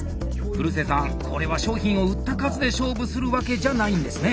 古瀬さんこれは商品を売った数で勝負するわけじゃないんですね？